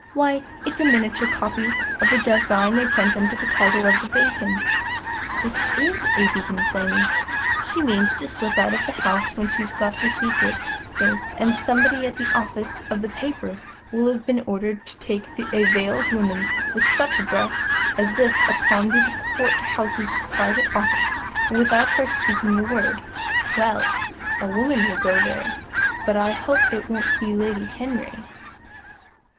Why, it's a miniature copy of the design they print under the title of The Beacon. It is a beacon, flaming! She means to slip out of the house when she's got the secret safe, and somebody at the office of the paper will have been ordered to take a veiled woman with such a dress as this up to Portheous' private office, without her speaking a word. Well a woman will go there, but I hope it won't be Lady Henry."